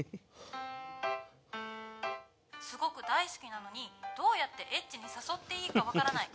「すごく大好きなのにどうやってエッチに誘っていいかわからない」